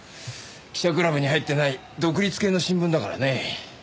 記者クラブに入ってない独立系の新聞だからね。